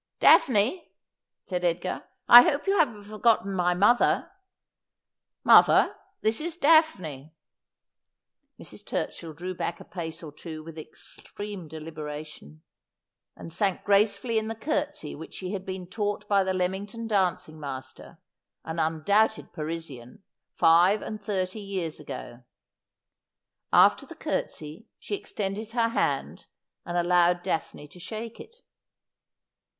' Daphne,' said Edgar, ' I hope you haven't forgotten my mother. Mother, this is Daphne.' Mrs. Turchill drew back a pace or two with extreme deli beration, and sank gracefully in the curtsy which she had been taught by the Leamington dancing master — an undoubted Parisian — five and thirty years ago. After the curtsy she ex tended her hand and allowed Daphne to shake it.